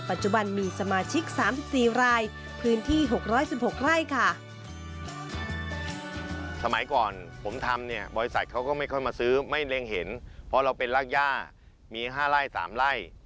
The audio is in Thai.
เพราะเราเป็นรักย่ามี๕ไร่๓ไร่